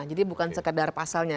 jadi bukan sekedar pasalnya